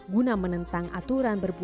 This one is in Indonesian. guna menentang aturan berpunca